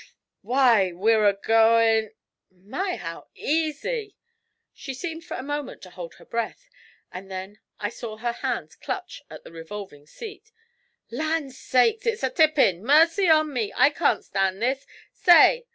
Why, we're a goin'! My, how easy!' She seemed for a moment to hold her breath, and then I saw her hands clutch at the revolving seat. 'Land sakes, it's tippin'! Mercy on me, I can't stand this! Say!'